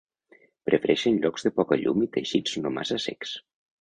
Prefereixen llocs de poca llum i teixits no massa secs.